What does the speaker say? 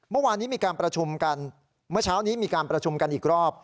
เมื่อวานนี้มีการประชุมกันเมื่อเช้านี้มีการประชุมกันอีกรอบ